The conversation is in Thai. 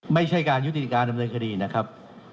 ไม่ใช่การยุติการดำเนินคดีนะครับ